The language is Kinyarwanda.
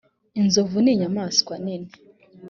inzovu ninyamaswa nini.